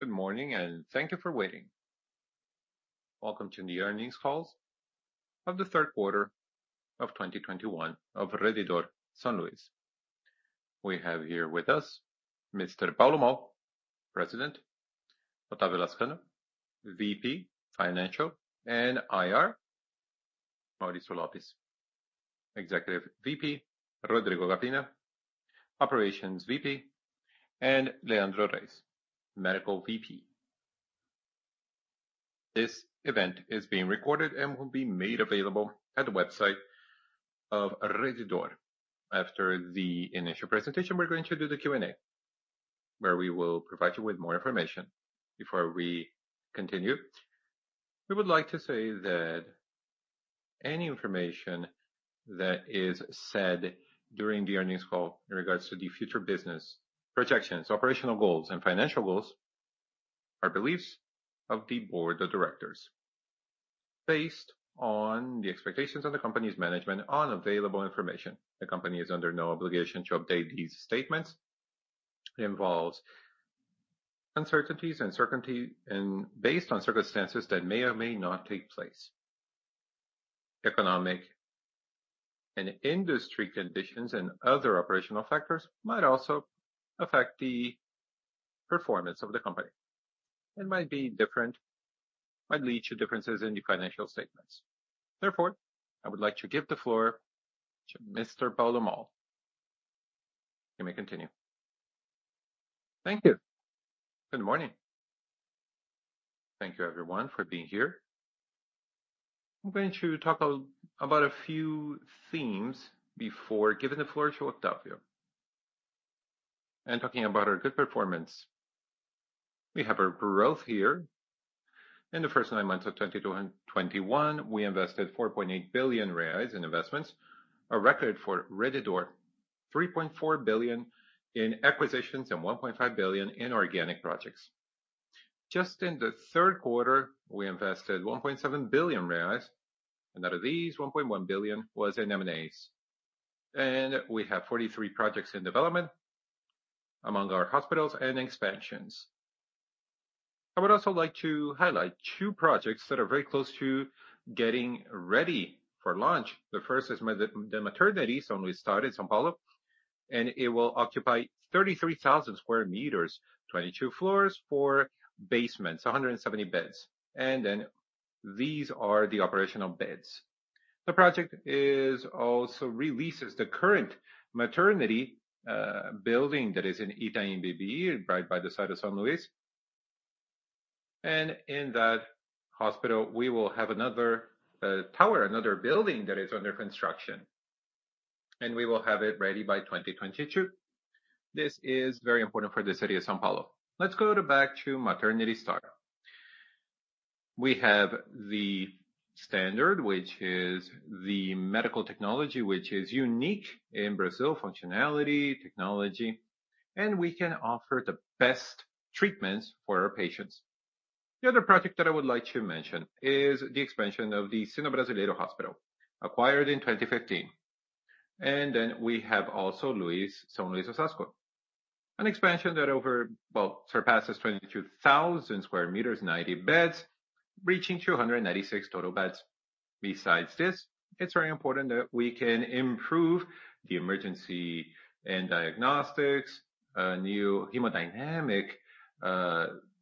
Good morning, and thank you for waiting. Welcome to the earnings calls of the third quarter of 2021 of Rede D'Or São Luiz. We have here with us Mr. Paulo Moll, President. Otávio Lazcano, VP Financial and IR. Mauricio Lopes, Executive VP. Rodrigo Gavina, Operations VP, and Leandro Reis Tavares, Medical VP. This event is being recorded and will be made available at the website of Rede D'Or. After the initial presentation, we're going to do the Q&A, where we will provide you with more information. Before we continue, we would like to say that any information that is said during the earnings call in regards to the future business projections, operational goals, and financial goals are beliefs of the board of directors based on the expectations of the company's management on available information. The company is under no obligation to update these statements. It involves uncertainties and based on circumstances that may or may not take place. Economic and industry conditions and other operational factors might also affect the performance of the company, and might lead to differences in the financial statements. Therefore, I would like to give the floor to Mr. Paulo Moll. You may continue. Thank you. Good morning. Thank you everyone for being here. I'm going to talk about a few themes before giving the floor to Otávio. Talking about our good performance. We have a growth here. In the first nine months of 2021, we invested 4.8 billion reais in investments, a record for Rede D'Or, 3.4 billion in acquisitions and 1.5 billion in organic projects. Just in the third quarter, we invested 1.7 billion reais, and out of these, 1.1 billion was in M&As. We have 43 projects in development among our hospitals and expansions. I would also like to highlight two projects that are very close to getting ready for launch. The first is the Maternidade São Luiz Star in São Paulo, and it will occupy 33,000 sq m, 22 floors, four basements, and 170 beds. These are the operational beds. The project also replaces the current maternity building that is in Itaim Bibi, right by the side of São Luiz. In that hospital, we will have another tower, another building that is under construction, and we will have it ready by 2022. This is very important for the city of São Paulo. Let's go back to Maternidade Star. We have the standard, which is the medical technology, which is unique in Brazil, functionality, technology, and we can offer the best treatments for our patients. The other project that I would like to mention is the expansion of the Sino Brasileiro Hospital, acquired in 2015. We have also São Luiz Osasco. An expansion that surpasses 22,000 sq m, 90 beds, reaching 296 total beds. Besides this, it's very important that we can improve the emergency and diagnostics, a new hemodynamic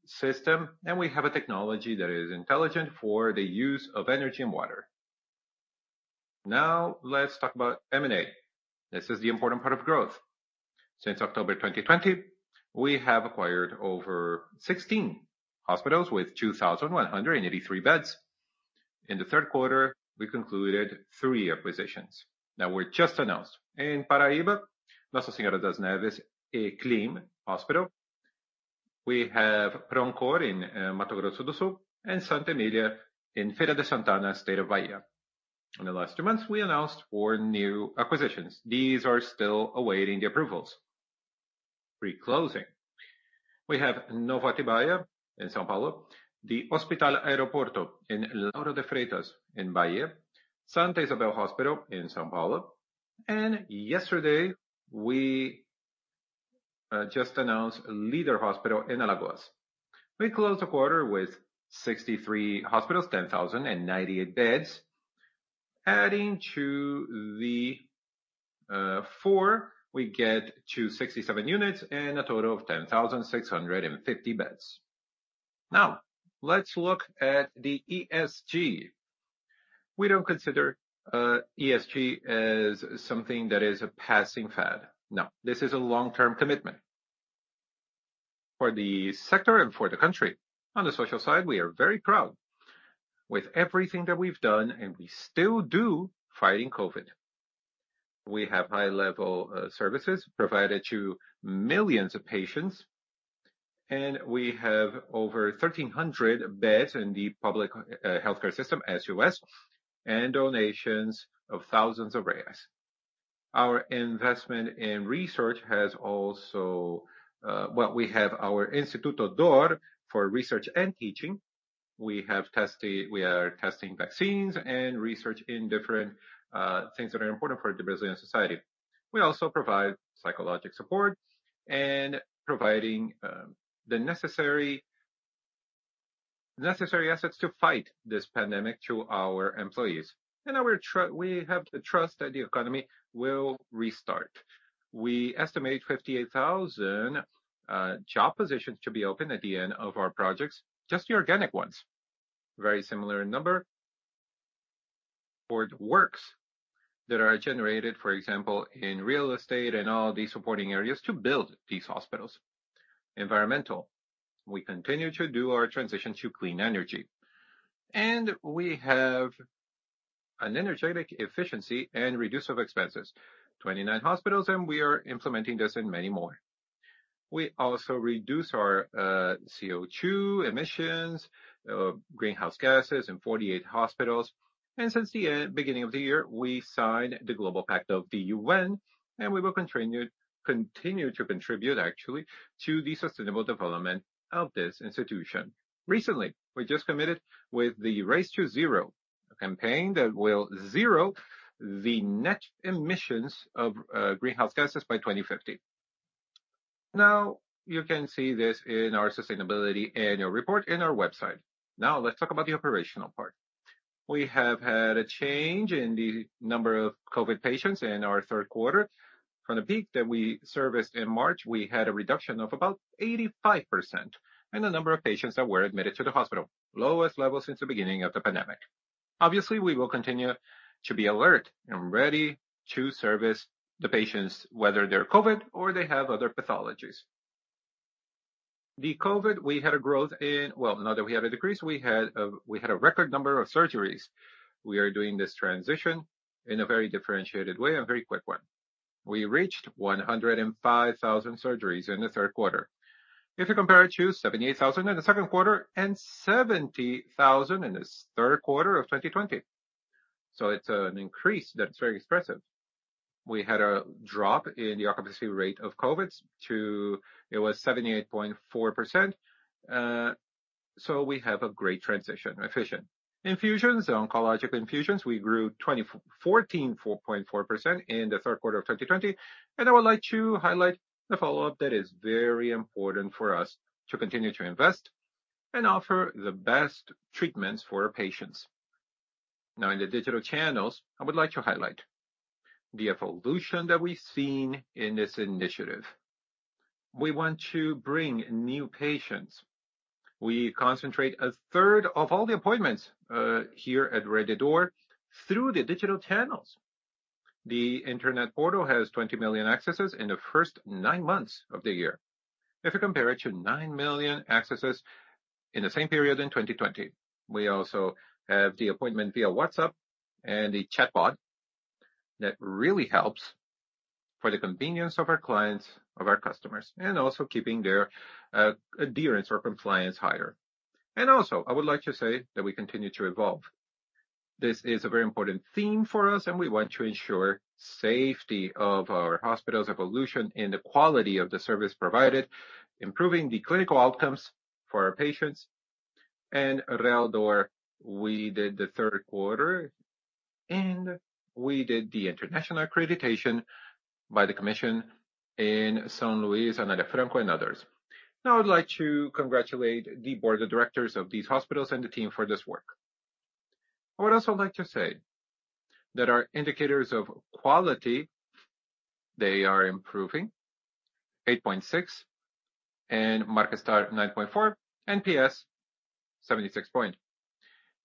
system, and we have a technology that is intelligent for the use of energy and water. Now, let's talk about M&A. This is the important part of growth. Since October 2020, we have acquired over 16 hospitals with 2,183 beds. In the third quarter, we concluded 3 acquisitions that were just announced. In Paraíba, Nossa Senhora das Neves, Éclair Hospital. We have Proncor in Mato Grosso do Sul, and Santa Emília in Feira de Santana, State of Bahia. In the last 2 months, we announced 4 new acquisitions. These are still awaiting the approvals pre-closing. We have Novo Atibaia in São Paulo, the Hospital Aeroporto in Lauro de Freitas in Bahia, Santa Isabel Hospital in São Paulo. Yesterday, we just announced Líder Hospital in Alagoas. We closed the quarter with 63 hospitals, 10,098 beds. Adding to the 4, we get to 67 units and a total of 10,650 beds. Now, let's look at the ESG. We don't consider ESG as something that is a passing fad. No, this is a long-term commitment for the sector and for the country. On the social side, we are very proud with everything that we've done, and we still do fighting COVID. We have high-level services provided to millions of patients, and we have over 1,300 beds in the public healthcare system, SUS, and donations of thousands of BRL. Our investment in research has also. Well, we have our Instituto D'Or for research and teaching. We are testing vaccines and research in different things that are important for the Brazilian society. We also provide psychological support and providing the necessary assets to fight this pandemic to our employees. We have the trust that the economy will restart. We estimate 58,000 job positions to be open at the end of our projects, just the organic ones. Very similar number for the works that are generated, for example, in real estate and all the supporting areas to build these hospitals. Environmental. We continue to do our transition to clean energy. We have an energy efficiency and reduction of expenses. 29 hospitals, and we are implementing this in many more. We also reduce our CO2 emissions, greenhouse gases in 48 hospitals. Since the beginning of the year, we signed the Global Compact of the UN, and we will continue to contribute actually to the sustainable development of this institution. Recently, we just committed to the Race to Zero, a campaign that will zero the net emissions of greenhouse gases by 2050. Now, you can see this in our Sustainability Annual Report on our website. Now let's talk about the operational part. We have had a change in the number of COVID patients in our third quarter. From the peak that we serviced in March, we had a reduction of about 85% in the number of patients that were admitted to the hospital. Lowest level since the beginning of the pandemic. Obviously, we will continue to be alert and ready to service the patients, whether they're COVID or they have other pathologies. Now that we had a decrease, we had a record number of surgeries. We are doing this transition in a very differentiated way and very quick one. We reached 105,000 surgeries in the third quarter. If you compare it to 78,000 in the second quarter and 70,000 in the third quarter of 2020. It's an increase that's very expressive. We had a drop in the occupancy rate of COVID to 78.4%. We have a great transition. Efficient infusions, oncological infusions, we grew 14.4% in the third quarter of 2020. I would like to highlight the follow-up that is very important for us to continue to invest and offer the best treatments for our patients. Now in the digital channels, I would like to highlight the evolution that we've seen in this initiative. We want to bring new patients. We concentrate a third of all the appointments here at Rede D'Or through the digital channels. The internet portal has 20 million accesses in the first nine months of the year. If you compare it to 9 million accesses in the same period in 2020. We also have the appointment via WhatsApp and a chatbot that really helps for the convenience of our clients, of our customers, and also keeping their adherence or compliance higher. Also, I would like to say that we continue to evolve. This is a very important theme for us, and we want to ensure safety of our hospitals, evolution in the quality of the service provided, improving the clinical outcomes for our patients. Rede D'Or, we did the third quarter, and we did the international accreditation by the commission in São Luiz, Anália Franco, and others. Now, I'd like to congratulate the board of directors of these hospitals and the team for this work. I would also like to say that our indicators of quality, they are improving. 8.6. In Marcas Star, 9.4. NPS, 76 point.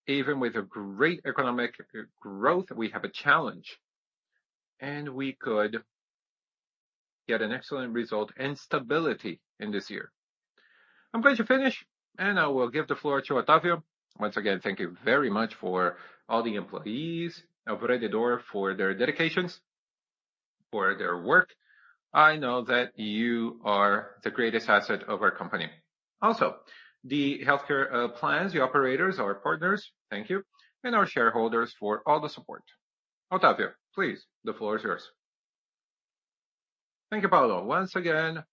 Even with a great economic growth, we have a challenge, and we could get an excellent result and stability in this year. I'm glad to finish, and I will give the floor to Otávio. Once again, thank you very much for all the employees of Rede D'Or for their dedications, for their work. I know that you are the greatest asset of our company. Also, the healthcare plans, the operators, our partners, thank you, and our shareholders for all the support. Otávio, please, the floor is yours. Thank you, Paulo. Once again,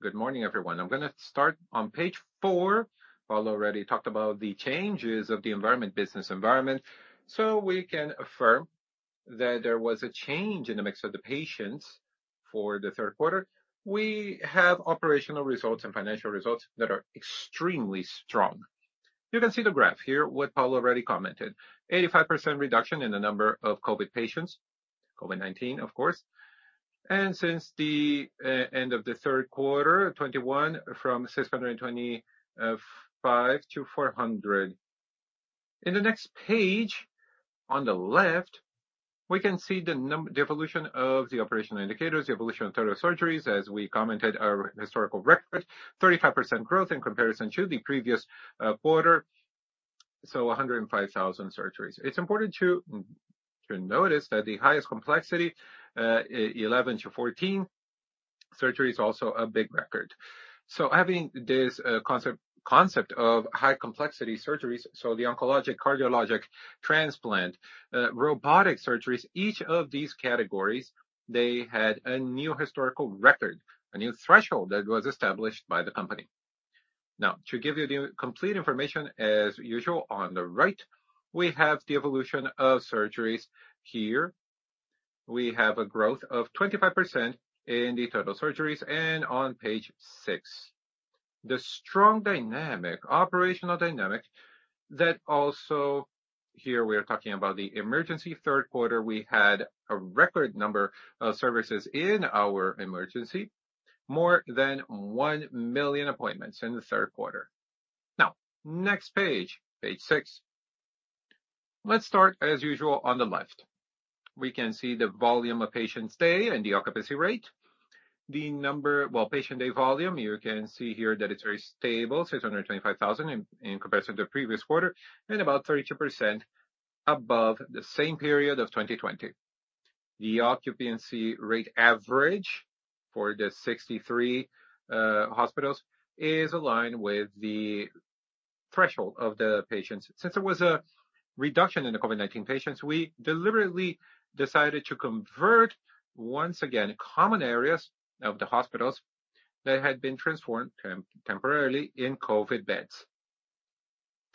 good morning, everyone. I'm gonna start on page 4. Paulo already talked about the changes of the environment, business environment. We can affirm that there was a change in the mix of the patients for the third quarter. We have operational results and financial results that are extremely strong. You can see the graph here, what Paulo already commented. 85% reduction in the number of COVID patients, COVID-19, of course. Since the end of the third quarter 2021, from 625 to 400. In the next page, on the left, we can see the evolution of the operational indicators, the evolution in total surgeries. As we commented, our historical record, 35% growth in comparison to the previous quarter, so 105,000 surgeries. It's important to notice that the highest complexity 11-14 surgery is also a big record. Having this concept of high complexity surgeries, the oncologic, cardiologic, transplant, robotic surgeries, each of these categories, they had a new historical record, a new threshold that was established by the company. To give you the complete information as usual, on the right, we have the evolution of surgeries here. We have a growth of 25% in the total surgeries. On page six, the strong operational dynamic that also here we are talking about the emergency third quarter. We had a record number of services in our emergency, more than 1 million appointments in the third quarter. Next page six. Let's start as usual on the left. We can see the volume of patient stays and the occupancy rate. Patient day volume, you can see here that it's very stable, 625,000 in comparison to the previous quarter, and about 32% above the same period of 2020. The average occupancy rate for the 63 hospitals is aligned with the threshold of the patients. Since there was a reduction in the COVID-19 patients, we deliberately decided to convert once again common areas of the hospitals that had been transformed temporarily into COVID beds.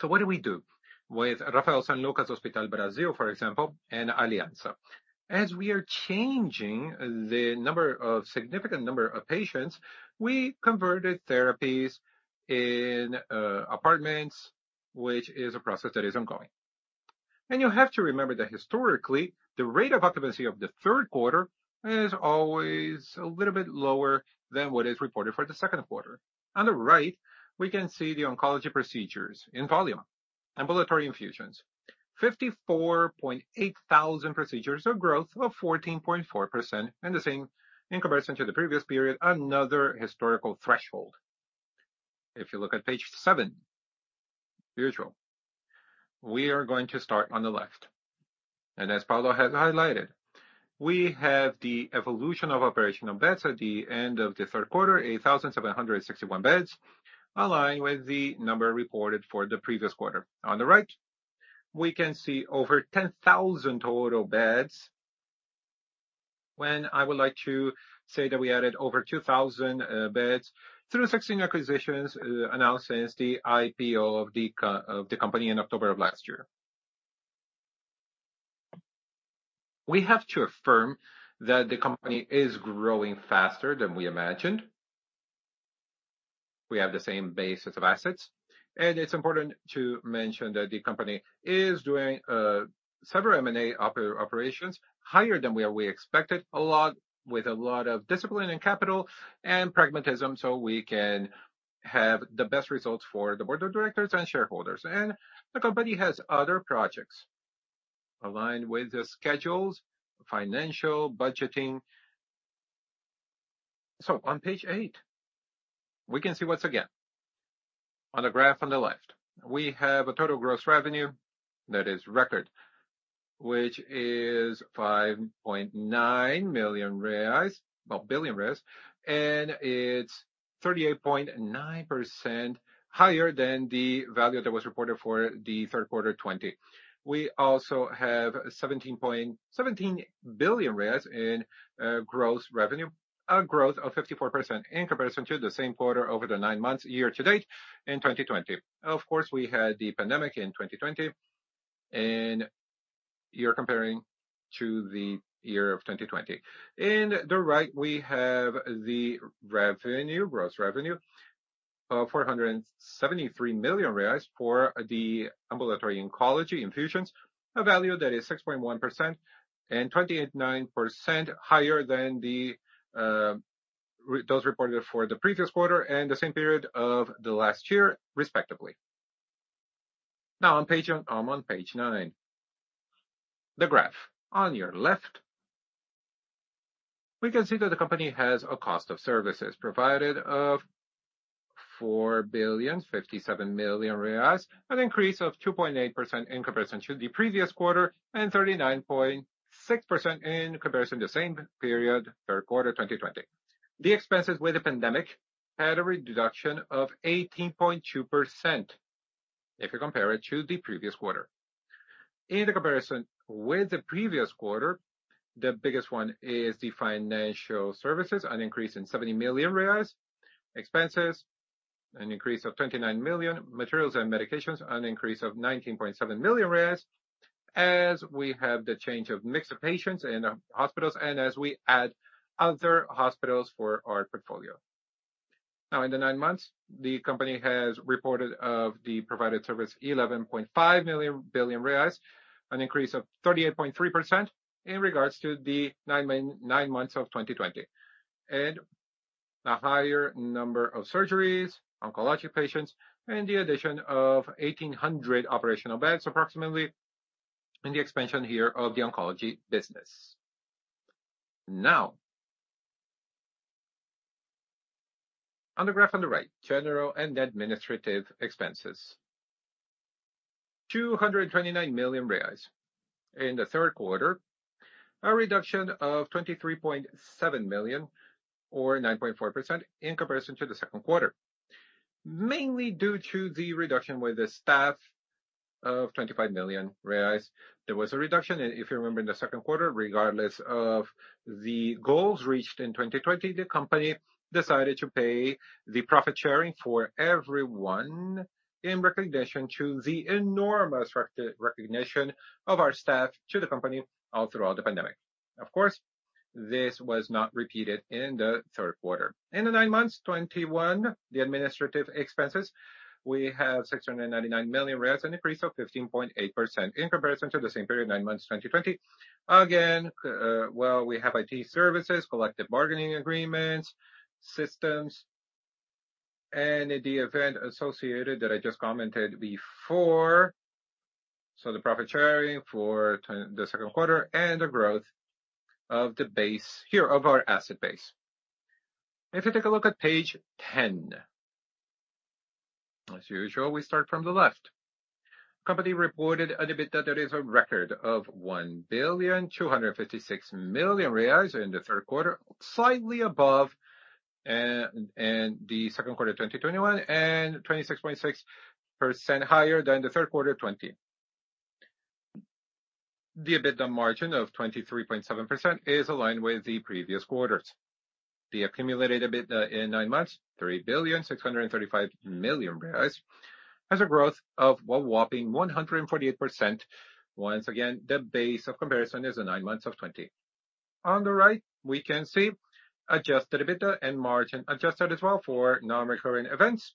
What do we do with Hospital São Lucas, for example, and Hospital Aliança? As we are changing the significant number of patients, we converted therapies into apartments, which is a process that is ongoing. You have to remember that historically, the occupancy rate of the third quarter is always a little bit lower than what is reported for the second quarter. On the right, we can see the oncology procedures in volume. Ambulatory infusions, 54.8 thousand procedures, a growth of 14.4%, and the same in comparison to the previous period, another historical threshold. If you look at page seven, usual. We are going to start on the left. As Paulo has highlighted, we have the evolution of operational beds at the end of the third quarter, 8,761 beds, aligned with the number reported for the previous quarter. On the right, we can see over 10,000 total beds. What I would like to say that we added over 2,000 beds through 16 acquisitions announced since the IPO of the company in October of last year. We have to affirm that the company is growing faster than we imagined. We have the same basis of assets. It's important to mention that the company is doing several M&A operations higher than we expected, with a lot of discipline and capital and pragmatism, so we can have the best results for the board of directors and shareholders. The company has other projects aligned with the schedules, financial, budgeting. On page eight, we can see once again. On the graph on the left, we have a total gross revenue that is record, which is 5.9 billion reais, and it's 38.9% higher than the value that was reported for the third quarter 2020. We also have 17 billion in gross revenue, a growth of 54% in comparison to the same quarter over the nine months year-to-date in 2020. Of course, we had the pandemic in 2020, and you're comparing to the year of 2020. On the right we have the revenue, gross revenue of 473 million reais for the ambulatory oncology infusions, a value that is 6.1% and 28.9% higher than those reported for the previous quarter and the same period of the last year, respectively. Now on page nine. The graph on your left, we can see that the company has a cost of services provided of 4.057 billion, an increase of 2.8% in comparison to the previous quarter and 39.6% in comparison to the same period, third quarter 2020. The expenses with the pandemic had a reduction of 18.2% if you compare it to the previous quarter. In the comparison with the previous quarter, the biggest one is the financial services, an increase in 70 million reais. Expenses, an increase of 29 million. Materials and medications, an increase of 19.7 million reais, as we have the change of mix of patients in our hospitals and as we add other hospitals for our portfolio. Now in the nine months, the company has reported of the provided service 11.5 billion reais, an increase of 38.3% in regards to the nine months of 2020. A higher number of surgeries, oncology patients, and the addition of 1,800 operational beds approximately, and the expansion here of the oncology business. Now, on the graph on the right, general and administrative expenses. 229 million reais in the third quarter, a reduction of 23.7 million or 9.4% in comparison to the second quarter, mainly due to the reduction with the staff of 25 million reais. There was a reduction, if you remember, in the second quarter, regardless of the goals reached in 2020, the company decided to pay the profit sharing for everyone in recognition to the enormous recognition of our staff to the company all throughout the pandemic. Of course, this was not repeated in the third quarter. In the nine months, 2021, the administrative expenses, we have 699 million reais, an increase of 15.8% in comparison to the same period, nine months, 2020. Again, we have IT services, collective bargaining agreements, systems, and the event associated that I just commented before. The profit sharing for the second quarter and the growth of our asset base here. If you take a look at page 10. As usual, we start from the left. The company reported an EBITDA that is a record of 1,256 million reais in the third quarter, slightly above in the second quarter of 2021, and 26.6% higher than the third quarter of 2020. The EBITDA margin of 23.7% is aligned with the previous quarters. The accumulated EBITDA in nine months, 3,635 million reais, has a growth of a whopping 148%. Once again, the base of comparison is the nine months of 2020. On the right, we can see adjusted EBITDA and margin adjusted as well for non-recurring events.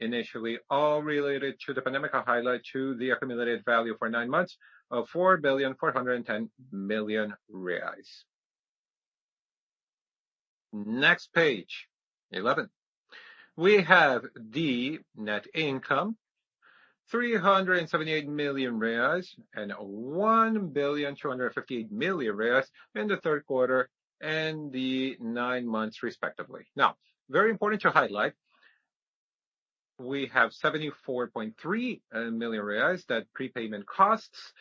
Initially, all related to the pandemic, a highlight to the accumulated value for nine months of 4.41 billion reais. Next page, 11. We have the net income, 378 million reais and 1.258 billion reais in the third quarter and the nine months respectively. Now, very important to highlight, we have 74.3 million reais that prepayment costs.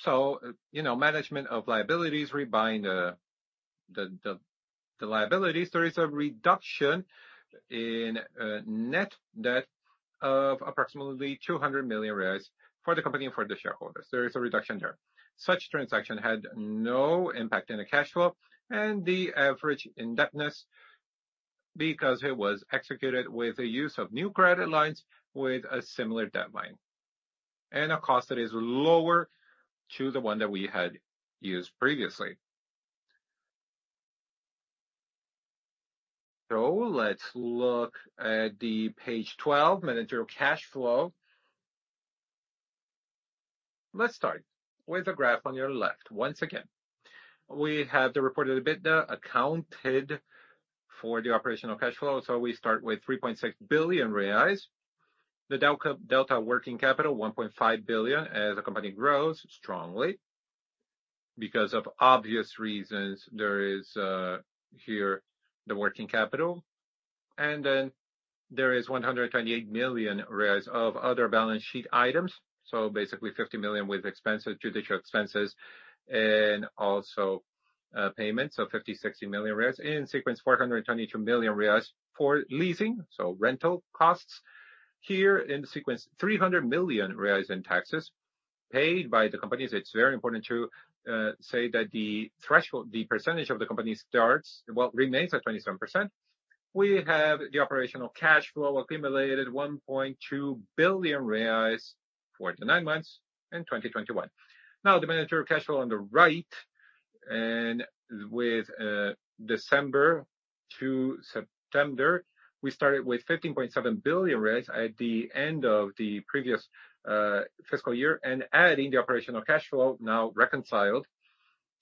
So, you know, management of liabilities, rebind the liabilities. There is a reduction in net debt of approximately 200 million reais for the company and for the shareholders. There is a reduction there. Such transaction had no impact in the cash flow and the average indebtedness because it was executed with the use of new credit lines with a similar debt line and a cost that is lower to the one that we had used previously. Let's look at page 12, managerial cash flow. Let's start with the graph on your left. Once again, we have the reported EBITDA accounted for the operational cash flow. We start with 3.6 billion reais. The delta working capital, 1.5 billion as the company grows strongly. Because of obvious reasons, there is here the working capital. Then there is 128 million of other balance sheet items. Basically 50 million with expenses, judicial expenses and also, payments. 50-60 million. In sequence, 422 million reais for leasing, so rental costs. Here in the sequence, 300 million reais in taxes paid by the company. It's very important to say that the threshold, the percentage of the company starts, well, remains at 27%. We have the operational cash flow accumulated 1.2 billion reais for the nine months in 2021. Now the managerial cash flow on the right and with December to September, we started with 15.7 billion at the end of the previous fiscal year. Adding the operational cash flow now reconciled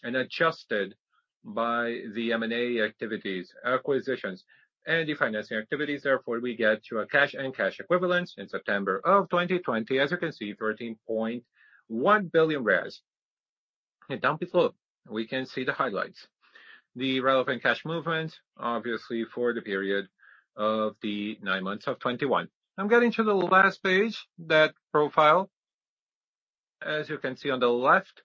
and adjusted by the M&A activities, acquisitions and the financing activities. Therefore, we get to a cash and cash equivalents in September of 2020. As you can see, 13.1 billion. Down below, we can see the highlights. The relevant cash movements, obviously, for the period of the 9 months of 2021. I'm getting to the last page, debt profile. As you can see on the left,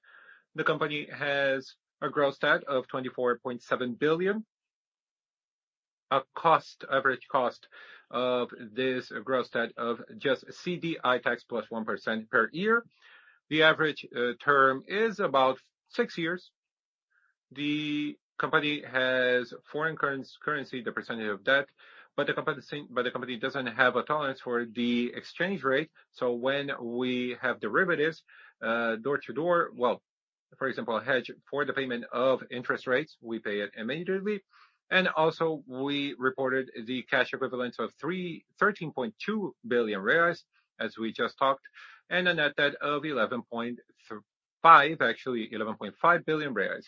the company has a gross debt of 24.7 billion. The average cost of this gross debt of just CDI plus 1% per year. The average term is about six years. The company has foreign currency, the percentage of debt, but the company doesn't have a tolerance for the exchange rate. So when we have derivatives dollar to dollar, well, for example, a hedge for the payment of interest rates, we pay it immediately. Also we reported the cash equivalents of 13.2 billion reais, as we just talked, and a net debt of eleven point five billion reais, actually 11.5 billion reais.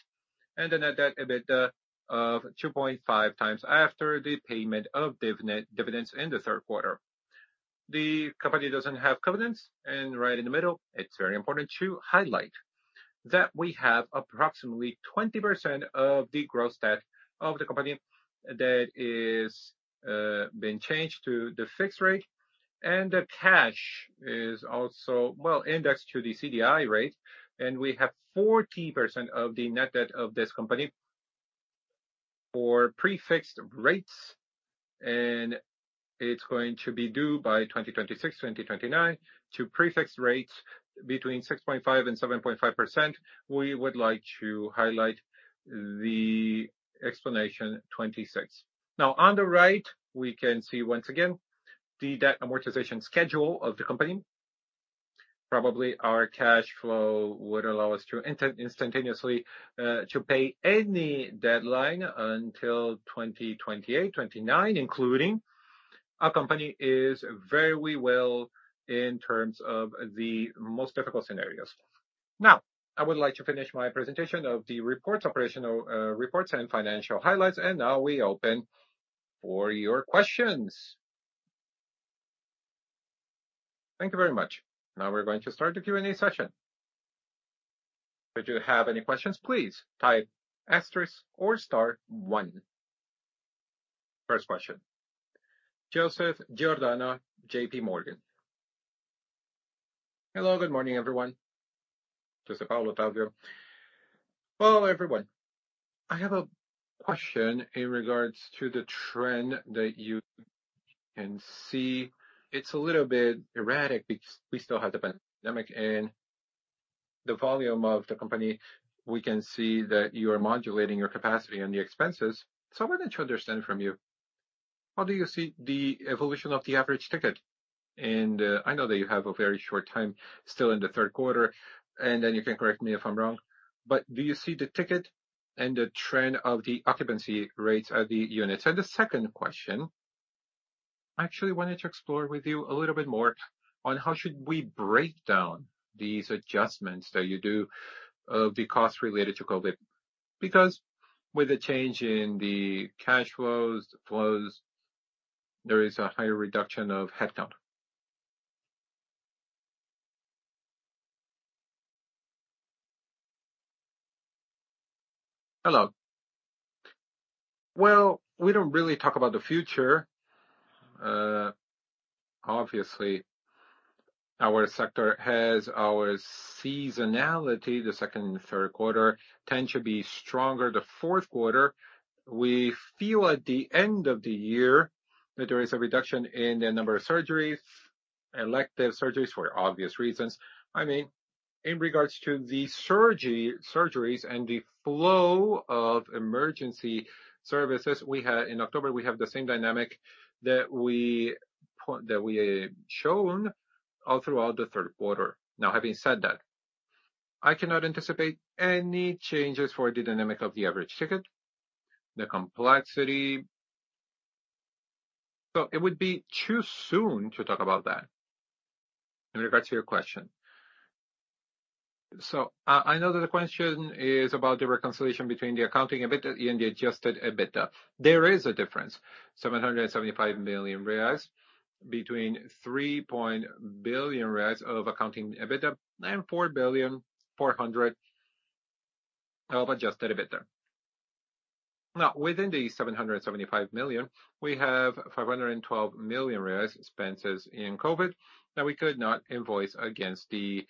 A net debt to EBITDA of 2.5 times after the payment of dividends in the third quarter. The company doesn't have covenants. Right in the middle, it's very important to highlight that we have approximately 20% of the gross debt of the company that is being changed to the fixed rate. The cash is also indexed to the CDI rate. We have 40% of the net debt of this company for prefixed rates, and it's going to be due by 2026-2029 at prefixed rates between 6.5% and 7.5%. We would like to highlight the extension 2026. Now on the right, we can see once again the debt amortization schedule of the company. Probably our cash flow would allow us to instantaneously pay any deadline until 2028-2029 including. Our company is very well in terms of the most difficult scenarios. Now, I would like to finish my presentation of the reports, operational reports, and financial highlights, and now we open for your questions. Thank you very much. Joseph Giordano, JP Morgan. Hello, good morning, everyone. I have a question in regards to the trend that you can see. It's a little bit erratic because we still have the pandemic and the volume of the company. We can see that you are modulating your capacity and the expenses. I wanted to understand from you, how do you see the evolution of the average ticket? I know that you have a very short time still in the third quarter, and then you can correct me if I'm wrong. But do you see the uptick and the trend of the occupancy rates at the units? The second question, I actually wanted to explore with you a little bit more on how should we break down these adjustments that you do of the costs related to COVID. Because with the change in the cash flows, there is a higher reduction of headcount. Well, we don't really talk about the future. Obviously our sector has our seasonality. The second and third quarter tend to be stronger. The fourth quarter, we feel at the end of the year that there is a reduction in the number of surgeries, elective surgeries, for obvious reasons. I mean, in regards to the surgeries and the flow of emergency services we had in October, we have the same dynamic that we shown all throughout the third quarter. Now, having said that, I cannot anticipate any changes for the dynamic of the average ticket, the complexity. It would be too soon to talk about that, in regards to your question. I know that the question is about the reconciliation between the accounting EBITDA and the adjusted EBITDA. There is a difference, 775 million reais between 3 billion reais of accounting EBITDA and 4.4 billion of adjusted EBITDA. Now, within the 775 million, we have 512 million reais expenses in COVID that we could not invoice against the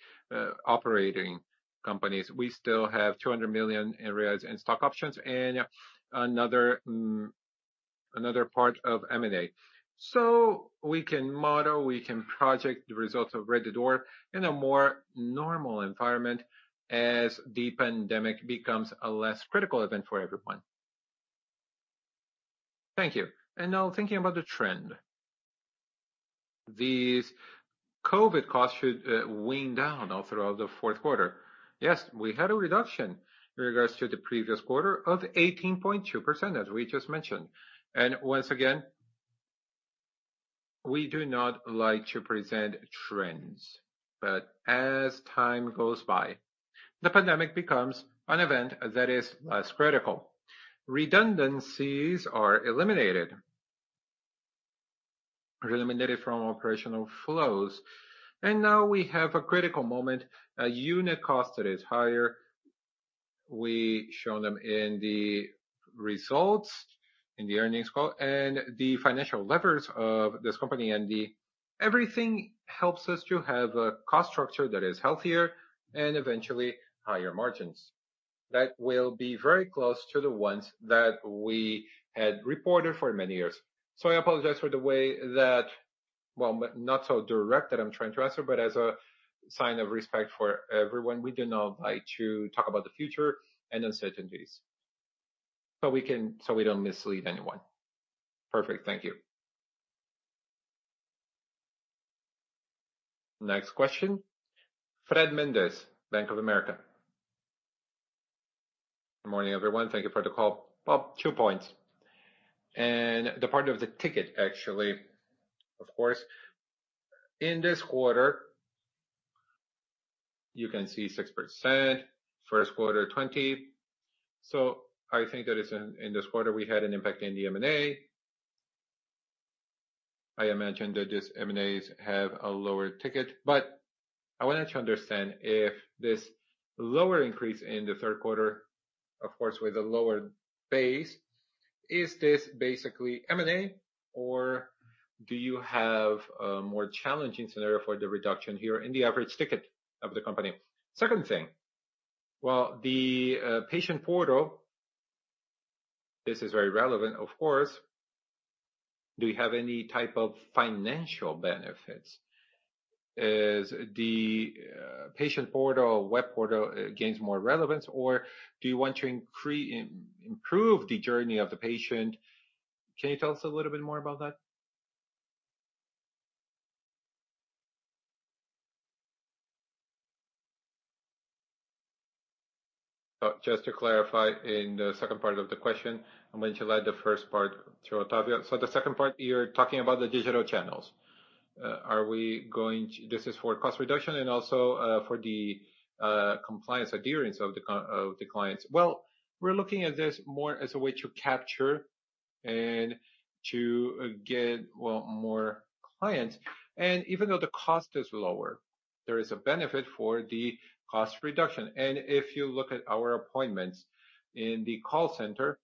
operating companies. We still have 200 million in stock options and another part of M&A. We can model, we can project the results of Rede D'Or in a more normal environment as the pandemic becomes a less critical event for everyone. Thank you. Now thinking about the trend. These COVID costs should wind down all throughout the fourth quarter. Yes, we had a reduction in regards to the previous quarter of 18.2%, as we just mentioned. Once again, we do not like to present trends. As time goes by, the pandemic becomes an event that is less critical. Redundancies are eliminated from operational flows. Now we have a critical moment, a unit cost that is higher. We show them in the results, in the earnings call, and the financial levers of this company. Everything helps us to have a cost structure that is healthier and eventually higher margins, that will be very close to the ones that we had reported for many years. I apologize for the way that. Well, not so direct that I'm trying to answer, but as a sign of respect for everyone, we do not like to talk about the future and uncertainties. So we don't mislead anyone. Perfect. Thank you. Next question. Fred Mendes, Bank of America. Good morning, everyone. Thank you for the call. Well, two points. The part of the ticket, actually, of course, in this quarter, you can see 6%, first quarter, 20. So I think that is in this quarter, we had an impact in the M&A. I imagine that these M&As have a lower ticket. I wanted to understand if this lower increase in the third quarter, of course, with a lower base, is this basically M&A or do you have a more challenging scenario for the reduction here in the average ticket of the company? Second thing, well, the patient portal, this is very relevant, of course. Do you have any type of financial benefits? Is the patient portal, web portal gains more relevance, or do you want to improve the journey of the patient? Can you tell us a little bit more about that? Oh, just to clarify in the second part of the question, I'm going to let the first part to Otávio. The second part, you're talking about the digital channels. This is for cost reduction and also for the compliance adherence of the clients. Well, we're looking at this more as a way to capture and to get, well, more clients. Even though the cost is lower, there is a benefit for the cost reduction. If you look at our appointments in the call center,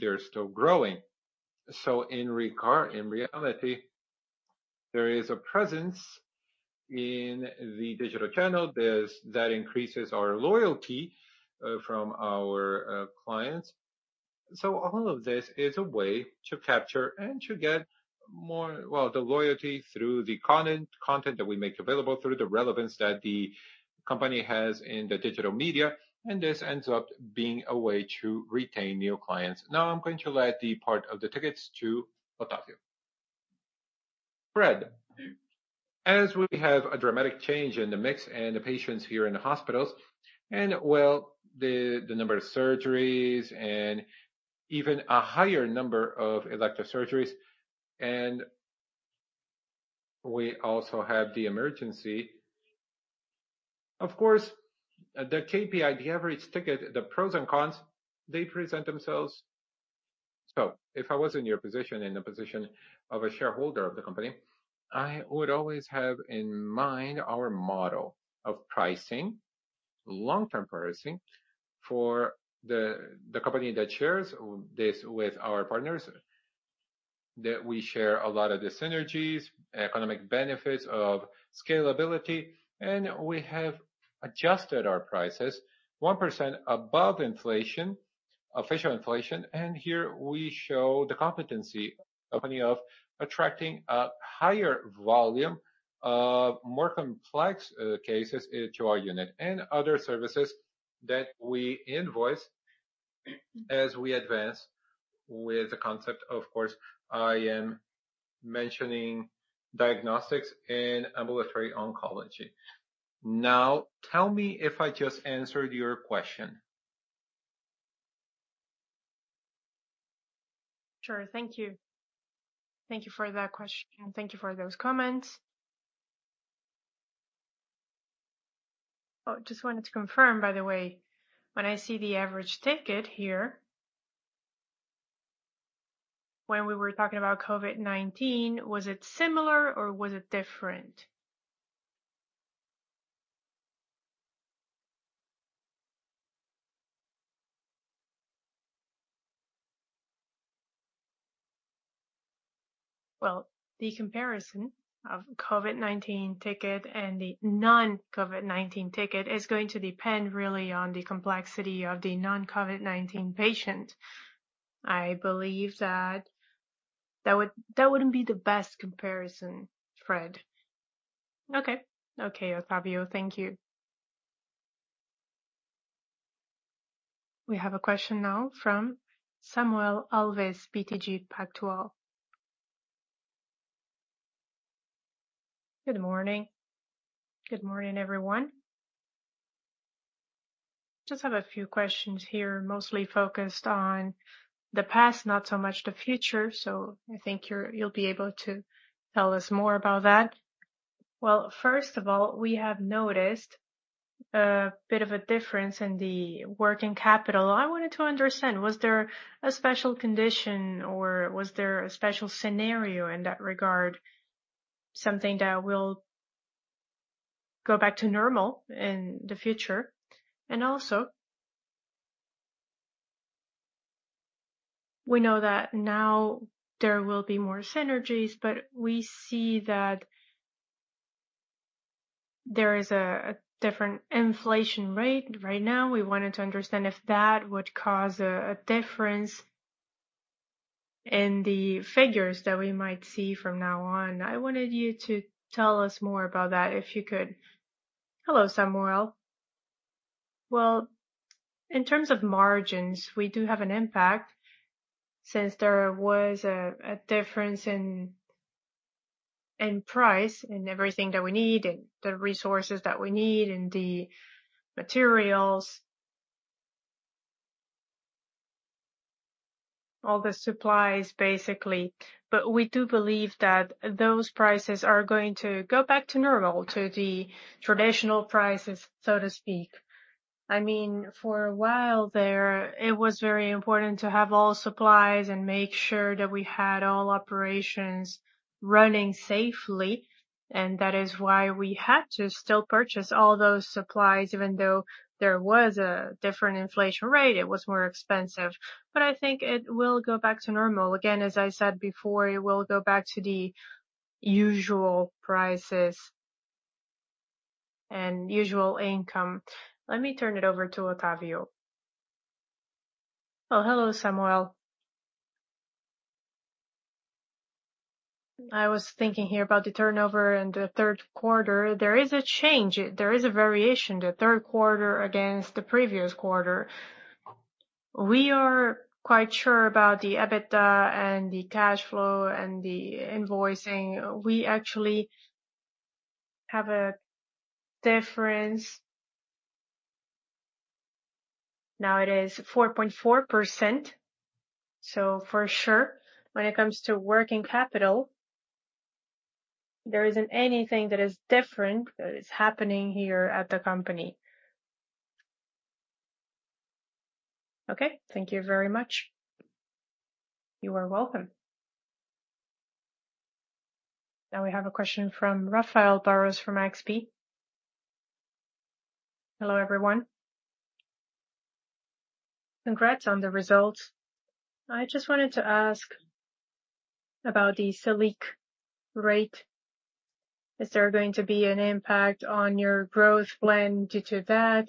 they're still growing. In reality, there is a presence in the digital channel. That increases our loyalty from our clients. All of this is a way to capture and to get more well, the loyalty through the content that we make available, through the relevance that the company has in the digital media. This ends up being a way to retain new clients. Now I'm going to let the part of the tickets to Otávio. Fred, as we have a dramatic change in the mix and the patients here in the hospitals and, well, the number of surgeries and even a higher number of elective surgeries, and we also have the emergency, of course, the KPI, the average ticket, the pros and cons, they present themselves. If I was in your position, in the position of a shareholder of the company, I would always have in mind our model of pricing, long-term pricing for the company that shares this with our partners, that we share a lot of the synergies, economic benefits of scalability, and we have adjusted our prices 1% above inflation, official inflation. Here we show the competency opening of attracting a higher volume of more complex cases into our unit and other services that we invoice as we advance with the concept. Of course, I am mentioning diagnostics and ambulatory oncology. Now, tell me if I just answered your question. Sure. Thank you. Thank you for that question, and thank you for those comments. Oh, just wanted to confirm, by the way, when I see the average ticket here, when we were talking about COVID-19, was it similar or was it different? Well, the comparison of COVID-19 ticket and the non-COVID-19 ticket is going to depend really on the complexity of the non-COVID-19 patient. I believe that wouldn't be the best comparison, Fred. Okay. Okay, Otávio. Thank you. We have a question now from Samuel Alves, BTG Pactual. Good morning. Good morning, everyone. Just have a few questions here, mostly focused on the past, not so much the future. I think you'll be able to tell us more about that. Well, first of all, we have noticed a bit of a difference in the working capital. I wanted to understand, was there a special condition or was there a special scenario in that regard, something that will go back to normal in the future? Also, we know that now there will be more synergies, but we see that there is a different inflation rate right now. We wanted to understand if that would cause a difference in the figures that we might see from now on. I wanted you to tell us more about that, if you could. Hello, Samuel. Well, in terms of margins, we do have an impact since there was a difference in price, in everything that we need and the resources that we need and the materials, all the supplies, basically. But we do believe that those prices are going to go back to normal, to the traditional prices, so to speak. I mean, for a while there, it was very important to have all supplies and make sure that we had all operations running safely, and that is why we had to still purchase all those supplies. Even though there was a different inflation rate, it was more expensive. I think it will go back to normal. Again, as I said before, it will go back to the usual prices and usual income. Let me turn it over to Otávio. Oh, hello, Samuel. I was thinking here about the turnover in the third quarter. There is a change. There is a variation, the third quarter against the previous quarter. We are quite sure about the EBITDA and the cash flow and the invoicing. We actually have a difference. Now it is 4.4%. For sure, when it comes to working capital, there isn't anything that is different that is happening here at the company. Okay, thank you very much. You are welcome. Now we have a question from Rafael Barros from XP. Hello, everyone. Congrats on the results. I just wanted to ask about the Selic rate. Is there going to be an impact on your growth plan due to that?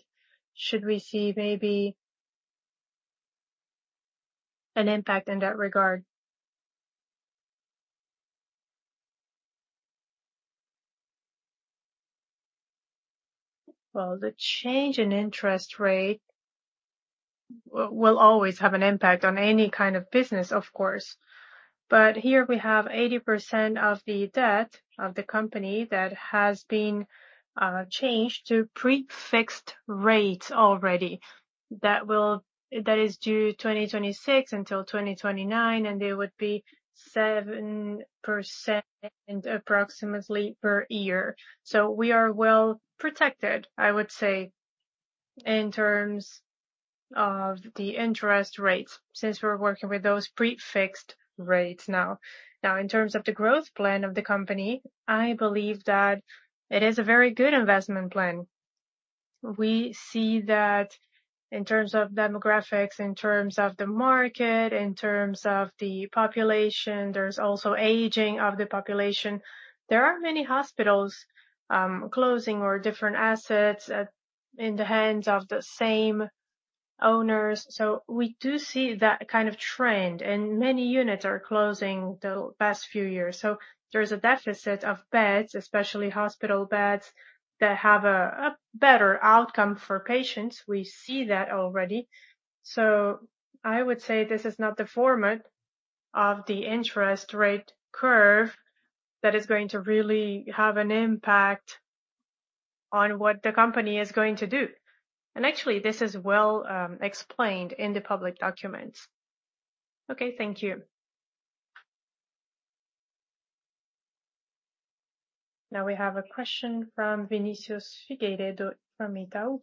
Should we see maybe an impact in that regard? Well, the change in interest rate will always have an impact on any kind of business, of course. But here we have 80% of the debt of the company that has been changed to pre-fixed rates already. That is due 2026 until 2029, and they would be 7% approximately per year. We are well protected, I would say, in terms of the interest rates since we're working with those pre-fixed rates now. Now, in terms of the growth plan of the company, I believe that it is a very good investment plan. We see that in terms of demographics, in terms of the market, in terms of the population, there's also aging of the population. There are many hospitals closing or different assets in the hands of the same owners. We do see that kind of trend, and many units are closing the past few years. There is a deficit of beds, especially hospital beds, that have a better outcome for patients. We see that already. I would say this is not the format of the interest rate curve that is going to really have an impact on what the company is going to do. Actually, this is well explained in the public documents. Okay, thank you. Now we have a question from Vinícius Figueiredo from Itaú.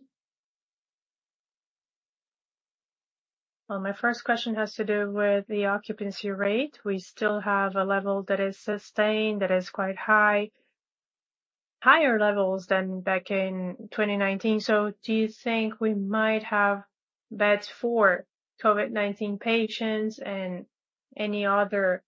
Well, my first question has to do with the occupancy rate. We still have a level that is sustained, that is quite high. Higher levels than back in 2019. Do you think we might have beds for COVID-19 patients and any other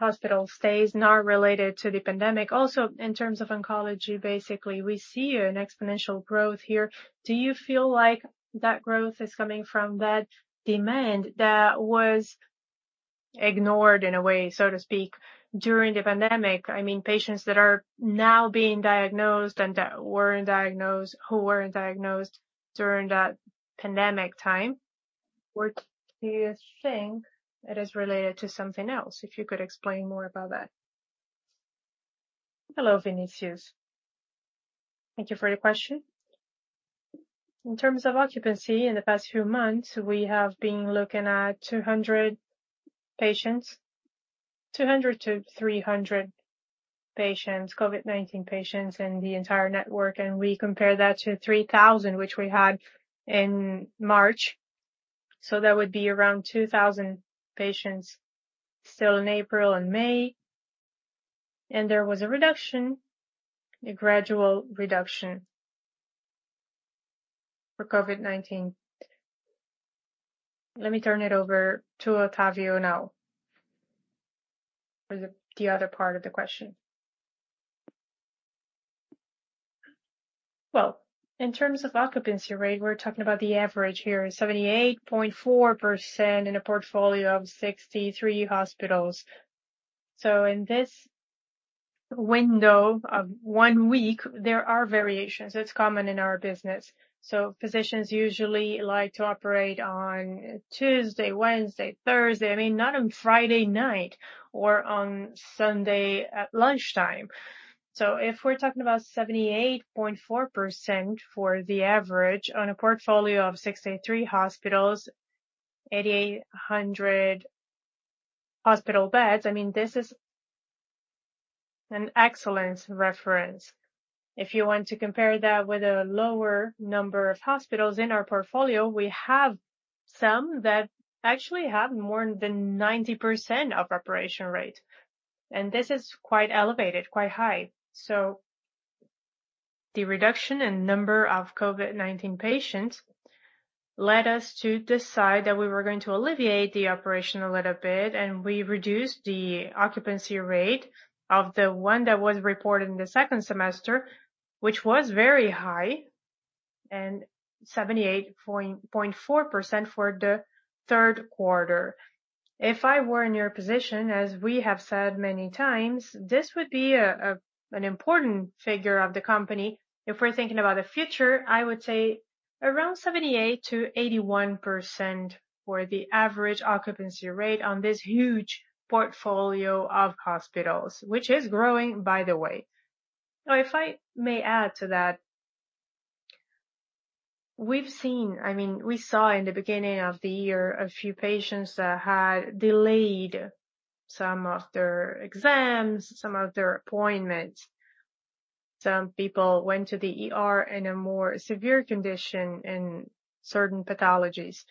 hospital stays not related to the pandemic? Also, in terms of oncology, basically, we see an exponential growth here. Do you feel like that growth is coming from that demand that was ignored in a way, so to speak, during the pandemic? I mean, patients that are now being diagnosed and that weren't diagnosed, who weren't diagnosed during that pandemic time. Or do you think it is related to something else? If you could explain more about that. Hello, Vinícius. Thank you for your question. In terms of occupancy, in the past few months, we have been looking at 200 patients, 200-300 patients, COVID-19 patients in the entire network, and we compare that to 3,000, which we had in March. That would be around 2,000 patients still in April and May. There was a reduction, a gradual reduction for COVID-19. Let me turn it over to Otávio now for the other part of the question. Well, in terms of occupancy rate, we're talking about the average here, 78.4% in a portfolio of 63 hospitals. In this window of one week, there are variations. It's common in our business. Physicians usually like to operate on Tuesday, Wednesday, Thursday. I mean, not on Friday night or on Sunday at lunchtime. If we're talking about 78.4% for the average on a portfolio of 63 hospitals, 8,800 hospital beds, I mean, this is an excellent reference. If you want to compare that with a lower number of hospitals in our portfolio, we have some that actually have more than 90% of operation rate, and this is quite elevated, quite high. The reduction in number of COVID-19 patients led us to decide that we were going to alleviate the operation a little bit, and we reduced the occupancy rate of the one that was reported in the second semester, which was very high, and 78.4% for the third quarter. If I were in your position, as we have said many times, this would be an important figure of the company. If we're thinking about the future, I would say around 78%-81% for the average occupancy rate on this huge portfolio of hospitals, which is growing by the way. Now, if I may add to that, we've seen. I mean, we saw in the beginning of the year a few patients that had delayed some of their exams, some of their appointments. Some people went to the ER in a more severe condition in certain pathologies.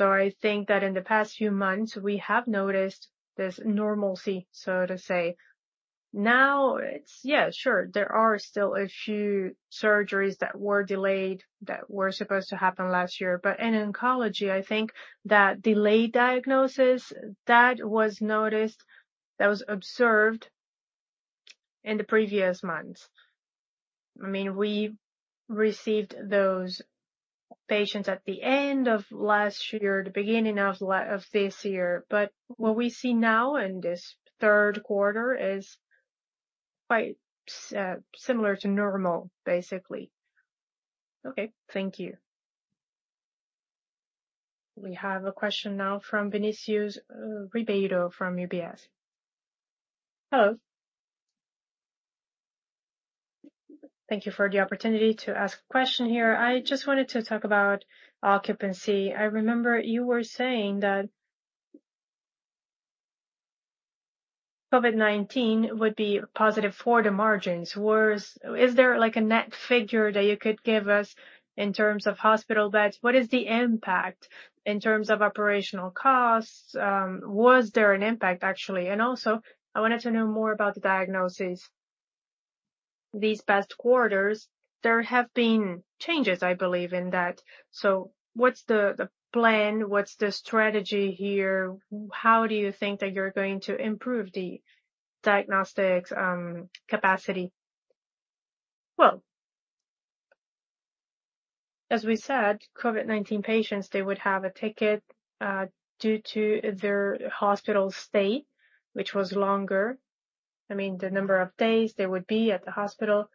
I think that in the past few months we have noticed this normalcy, so to say. Now, yeah, sure, there are still a few surgeries that were delayed that were supposed to happen last year. In oncology, I think that delayed diagnosis that was noticed, that was observed in the previous months. I mean, we received those patients at the end of last year, the beginning of this year. What we see now in this third quarter is quite similar to normal, basically. Okay. Thank you. We have a question now from Vinicius Ribeiro from UBS. Hello. Thank you for the opportunity to ask a question here. I just wanted to talk about occupancy. I remember you were saying that COVID-19 would be positive for the margins. Is there like a net figure that you could give us in terms of hospital beds? What is the impact in terms of operational costs? Was there an impact, actually? I wanted to know more about the diagnosis. These past quarters there have been changes, I believe, in that. What's the plan? What's the strategy here? How do you think that you're going to improve the diagnostics capacity? Well, as we said, COVID-19 patients, they would have a ticket due to their hospital stay, which was longer. I mean, the number of days they would be at the hospital.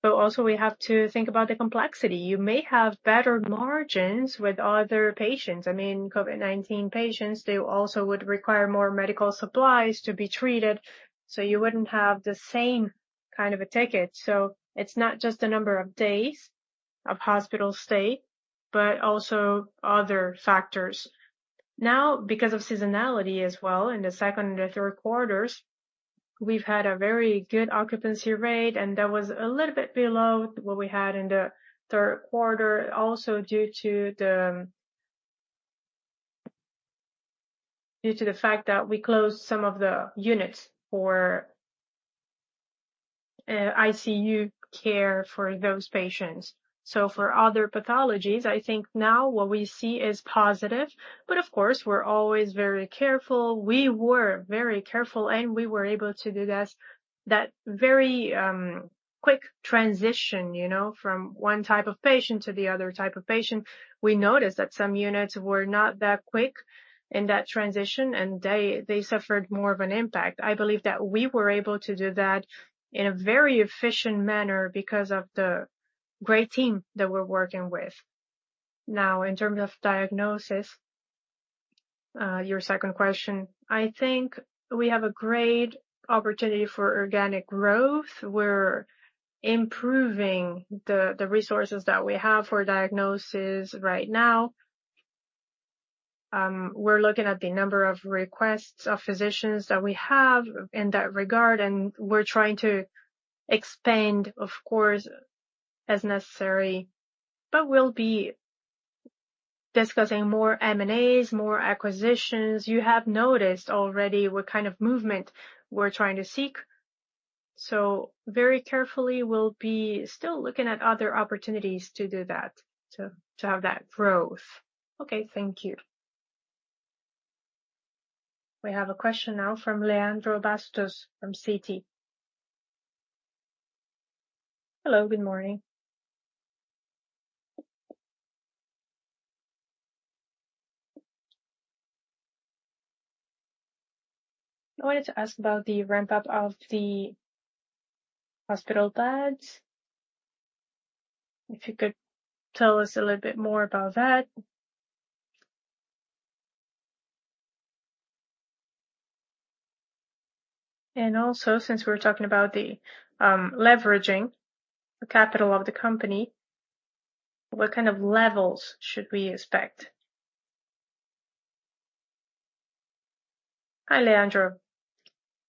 But also we have to think about the complexity. You may have better margins with other patients. I mean, COVID-19 patients, they also would require more medical supplies to be treated, so you wouldn't have the same kind of a ticket. It's not just the number of days of hospital stay, but also other factors. Now, because of seasonality as well, in the second and the third quarters, we've had a very good occupancy rate, and that was a little bit below what we had in the third quarter. Also due to the fact that we closed some of the units for ICU care for those patients. For other pathologies, I think now what we see is positive. But of course, we're always very careful. We were very careful, and we were able to do that very quick transition, you know, from one type of patient to the other type of patient. We noticed that some units were not that quick in that transition, and they suffered more of an impact. I believe that we were able to do that in a very efficient manner because of the great team that we're working with. Now in terms of diagnosis, your second question, I think we have a great opportunity for organic growth. We're improving the resources that we have for diagnosis right now. We're looking at the number of requests of physicians that we have in that regard, and we're trying to expand, of course, as necessary. We'll be discussing more M&As, more acquisitions. You have noticed already what kind of movement we're trying to seek. Very carefully, we'll be still looking at other opportunities to do that, to have that growth. Okay. Thank you. We have a question now from Leandro Bastos from Citi. Hello, good morning. I wanted to ask about the ramp-up of the hospital beds, if you could tell us a little bit more about that. Also, since we're talking about the leveraging of the capital of the company, what kind of levels should we expect? Hi, Leandro.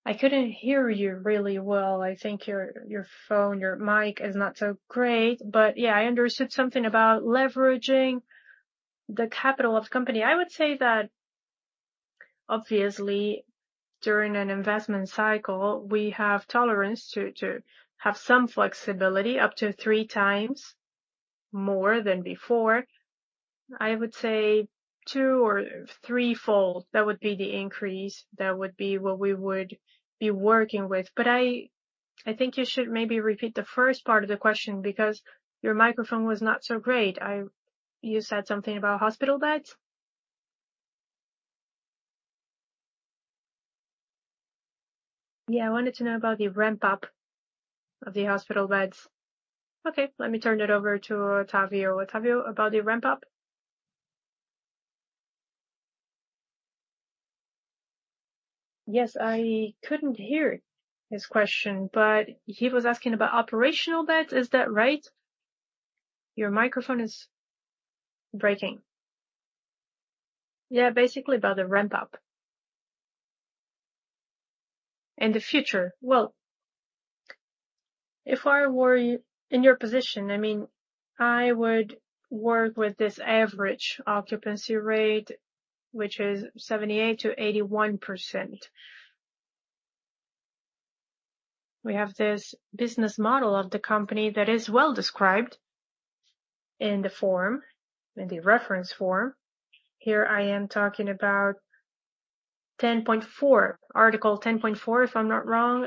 I couldn't hear you really well. I think your phone, your mic is not so great. Yeah, I understood something about leveraging the capital of the company. I would say that obviously, during an investment cycle, we have tolerance to have some flexibility up to 3 times more than before. I would say 2 or threefold, that would be the increase. That would be what we would be working with. I think you should maybe repeat the first part of the question because your microphone was not so great. I. You said something about hospital beds? Yeah. I wanted to know about the ramp up of the hospital beds. Okay. Let me turn it over to Otávio. Otávio, about the ramp up. Yes. I couldn't hear his question, but he was asking about operational beds. Is that right? Your microphone is breaking. Yeah. Basically about the ramp up. In the future. Well, if I were in your position, I mean, I would work with this average occupancy rate, which is 78%-81%. We have this business model of the company that is well-described in the form, in the reference form. Here I am talking about 10.4, article 10.4, if I'm not wrong,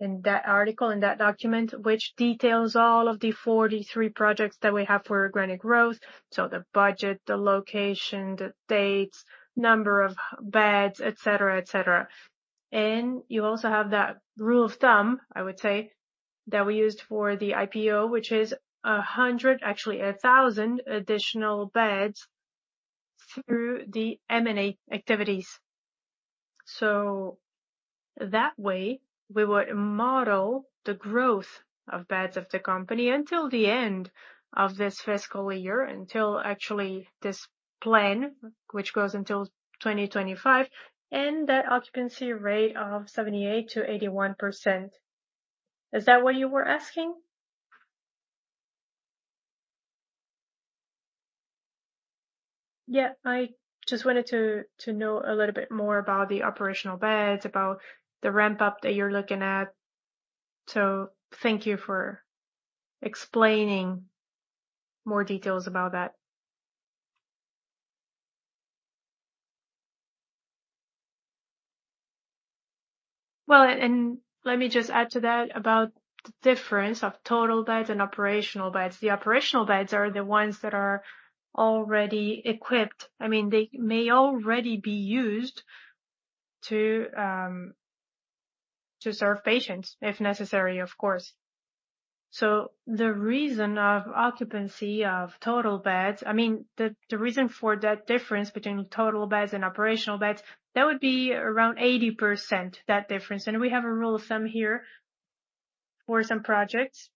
in that article, in that document, which details all of the 43 projects that we have for organic growth. The budget, the location, the dates, number of beds, et cetera, et cetera. You also have that rule of thumb, I would say, that we used for the IPO, which is 100, actually 1,000 additional beds through the M&A activities. That way we would model the growth of beds of the company until the end of this fiscal year, until actually this plan, which goes until 2025, and that occupancy rate of 78%-81%. Is that what you were asking? Yeah. I just wanted to know a little bit more about the operational beds, about the ramp up that you're looking at. Thank you for explaining more details about that. Let me just add to that about the difference of total beds and operational beds. The operational beds are the ones that are already equipped. I mean, they may already be used to serve patients, if necessary, of course. The reason for that difference between total beds and operational beds would be around 80%, that difference. We have a rule of thumb here for some projects.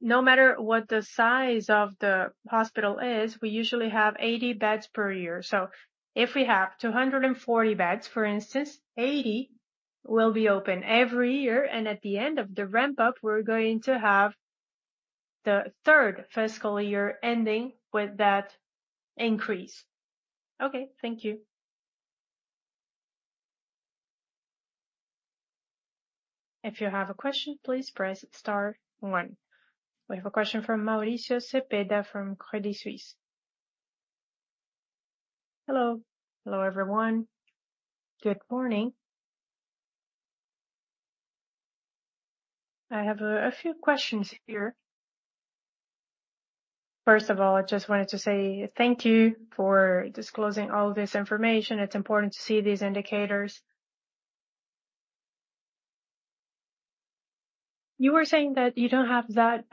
No matter what the size of the hospital is, we usually have 80 beds per year. If we have 240 beds, for instance, 80 will be open every year. At the end of the ramp up, we're going to have the third fiscal year ending with that increase. Okay. Thank you. If you have a question, please press star one. We have a question from Mauricio Cepeda from Credit Suisse. Hello. Hello, everyone. Good morning. I have a few questions here. First of all, I just wanted to say thank you for disclosing all this information. It's important to see these indicators. You were saying that you don't have that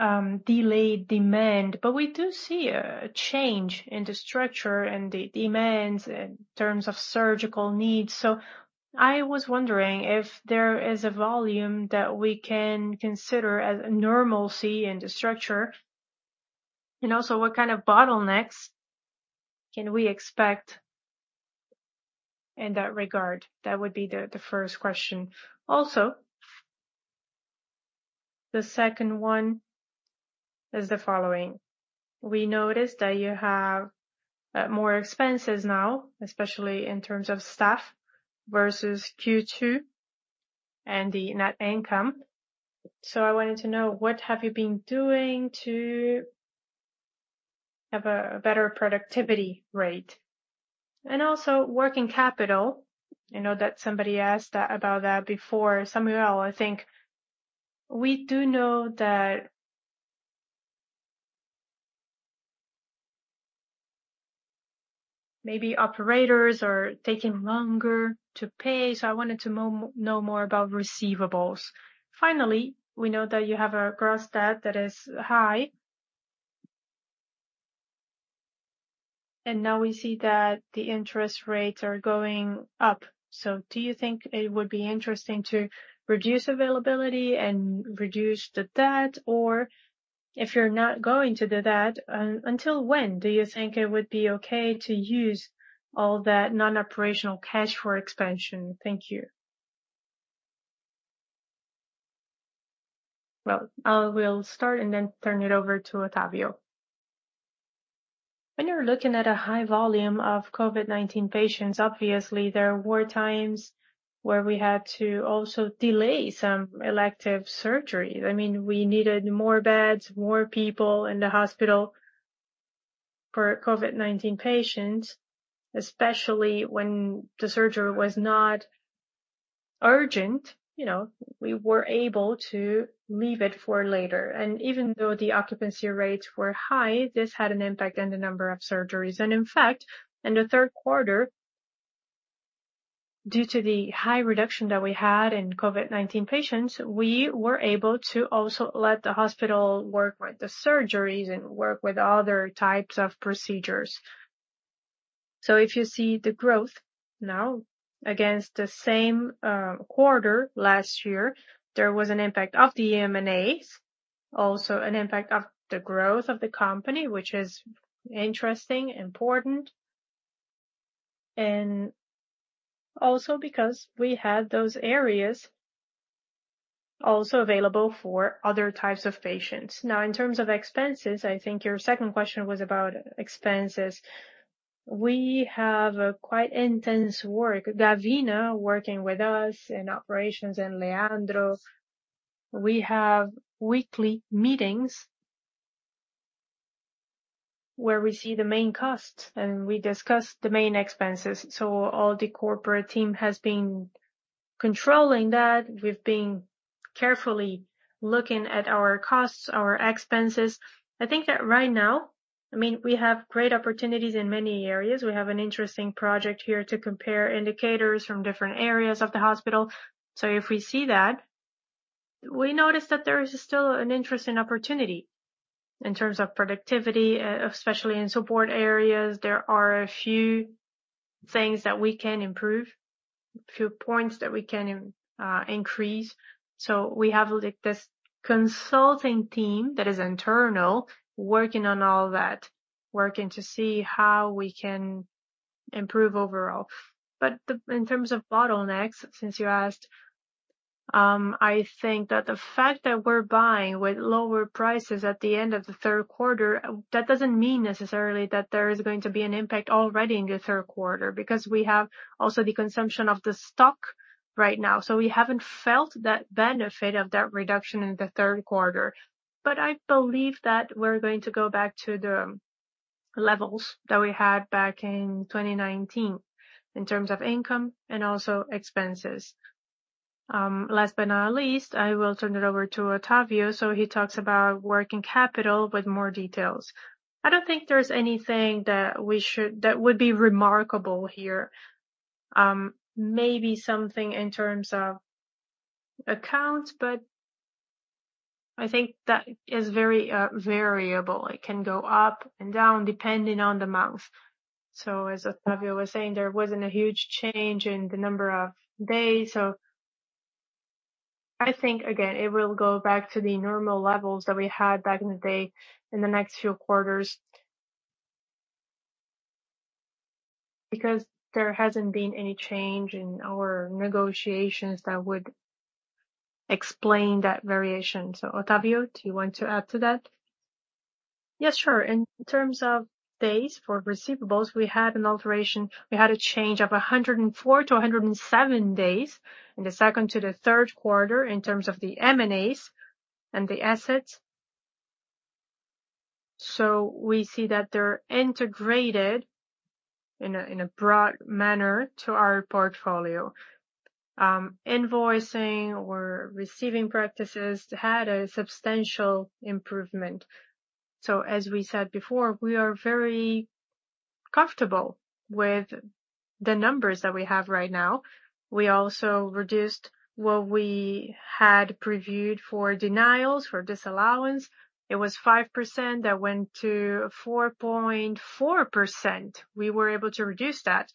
delayed demand, but we do see a change in the structure and the demands in terms of surgical needs. I was wondering if there is a volume that we can consider as normalcy in the structure. What kind of bottlenecks can we expect in that regard? That would be the first question. The second one is the following: We noticed that you have more expenses now, especially in terms of staff versus Q2 and the net income. I wanted to know what have you been doing to have a better productivity rate and also working capital. I know that somebody asked about that before, Samuel, I think. We do know that maybe operators are taking longer to pay. I wanted to know more about receivables. Finally, we know that you have a gross debt that is high, and now we see that the interest rates are going up. Do you think it would be interesting to reduce availability and reduce the debt? Or if you're not going to do that, until when do you think it would be okay to use all that non-operational cash for expansion? Thank you. Well, I will start and then turn it over to Otávio. When you're looking at a high volume of COVID-19 patients, obviously there were times where we had to also delay some elective surgeries. I mean, we needed more beds, more people in the hospital for COVID-19 patients, especially when the surgery was not urgent, you know, we were able to leave it for later. Even though the occupancy rates were high, this had an impact on the number of surgeries. In fact, in the third quarter, due to the high reduction that we had in COVID-19 patients, we were able to also let the hospital work with the surgeries and work with other types of procedures. If you see the growth now against the same quarter last year, there was an impact of the M&As, also an impact of the growth of the company, which is interesting, important, and also because we had those areas also available for other types of patients. Now, in terms of expenses, I think your second question was about expenses. We have quite intense work with Rodrigo Gavina working with us in operations, and Leandro Reis, we have weekly meetings where we see the main costs and we discuss the main expenses. All the corporate team has been controlling that. We've been carefully looking at our costs, our expenses. I think that right now, I mean, we have great opportunities in many areas. We have an interesting project here to compare indicators from different areas of the hospital. If we see that, we notice that there is still an interesting opportunity in terms of productivity, especially in support areas. There are a few things that we can improve, a few points that we can increase. We have, like, this consulting team that is internal, working on all that, working to see how we can improve overall. In terms of bottlenecks, since you asked, I think that the fact that we're buying with lower prices at the end of the third quarter, that doesn't mean necessarily that there is going to be an impact already in the third quarter because we have also the consumption of the stock right now, so we haven't felt that benefit of that reduction in the third quarter. I believe that we're going to go back to the levels that we had back in 2019 in terms of income and also expenses. Last but not least, I will turn it over to Otávio, so he talks about working capital with more details. I don't think there's anything that would be remarkable here. Maybe something in terms of accounts, but I think that is very variable. It can go up and down depending on the month. As Otávio was saying, there wasn't a huge change in the number of days. I think, again, it will go back to the normal levels that we had back in the day in the next few quarters because there hasn't been any change in our negotiations that would explain that variation. Otávio, do you want to add to that? Yes, sure. In terms of days for receivables, we had an alteration. We had a change of 104 to 107 days in the second to the third quarter in terms of the M&As and the assets. We see that they're integrated in a broad manner to our portfolio. Invoicing or receiving practices had a substantial improvement. As we said before, we are very comfortable with the numbers that we have right now. We also reduced what we had previewed for denials, for disallowance. It was 5%, that went to 4.4%. We were able to reduce that.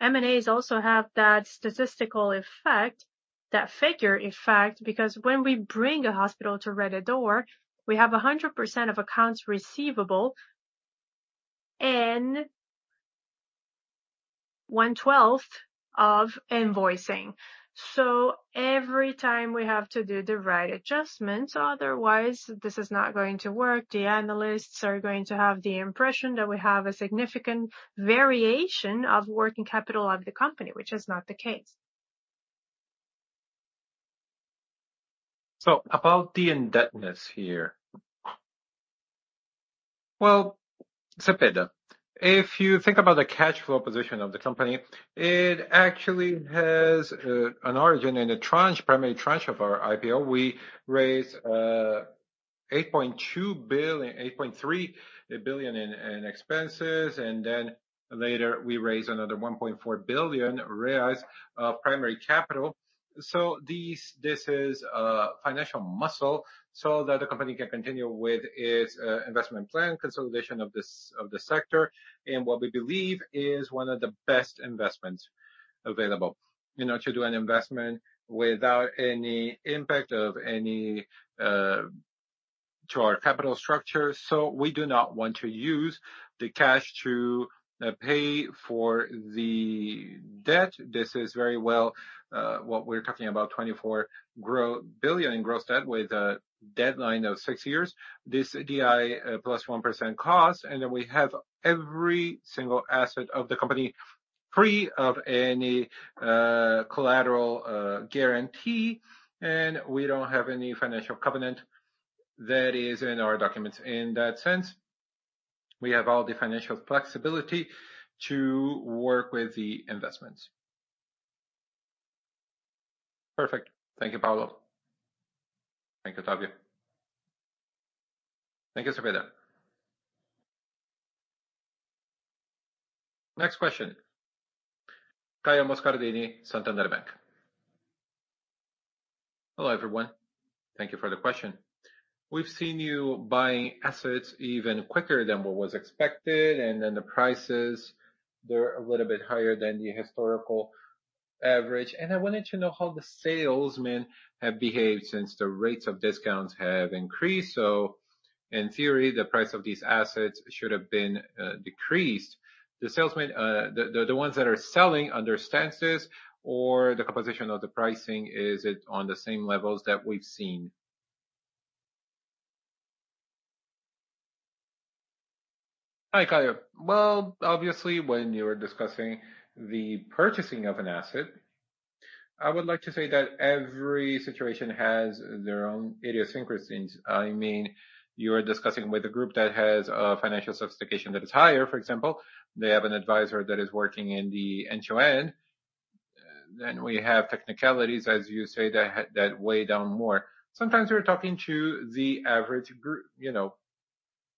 M&As also have that statistical effect, that figure effect, because when we bring a hospital to Rede D'Or, we have 100% of accounts receivable and one-twelfth of invoicing. Every time we have to do the right adjustment, otherwise this is not going to work. The analysts are going to have the impression that we have a significant variation of working capital of the company, which is not the case. About the indebtedness here. Cepeda, if you think about the cash flow position of the company, it actually has an origin in the tranche, primary tranche of our IPO. We raised 8.3 billion in the IPO, and then later we raised another 1.4 billion reais of primary capital. This is financial muscle so that the company can continue with its investment plan, consolidation of the sector in what we believe is one of the best investments available. To do an investment without any impact to our capital structure, we do not want to use the cash to pay for the debt. This is very well what we're talking about 24 billion in gross debt with a deadline of 6 years. This CDI, plus 1% cost, and then we have every single asset of the company free of any, collateral, guarantee, and we don't have any financial covenant that is in our documents. In that sense, we have all the financial flexibility to work with the investments. Perfect. Thank you, Paulo. Thank you, Fabio. Thank you, Otávio. Next question. Caio Moscardini, Banco Santander. Hello, everyone. Thank you for the question. We've seen you buying assets even quicker than what was expected, and then the prices, they're a little bit higher than the historical average. I wanted to know how the sellers have behaved since the discount rates have increased. In theory, the price of these assets should have been, decreased. The salesmen, the ones that are selling understands this or the composition of the pricing, is it on the same levels that we've seen? Hi, Caio. Well, obviously, when you are discussing the purchasing of an asset, I would like to say that every situation has their own idiosyncrasies. I mean, you are discussing with a group that has a financial sophistication that is higher. For example, they have an advisor that is working in the end-to-end. Then we have technicalities, as you say, that weigh down more. Sometimes we're talking to the average, you know,